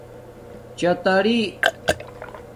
چاتٰری